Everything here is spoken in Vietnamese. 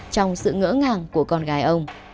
trong sự ngỡ ngàng của con gái ông